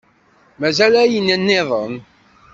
Mazal ayen-nniḍen.